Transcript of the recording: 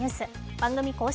番組公式